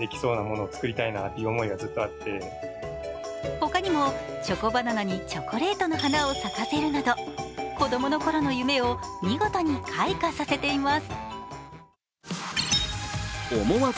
ほかにもチョコバナナにチョコレートの花を咲かせるなど子供の頃の夢を見事に開花させています。